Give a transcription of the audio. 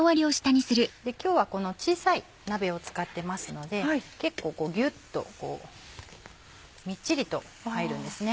今日は小さい鍋を使ってますので結構こうぎゅっとみっちりと入るんですね。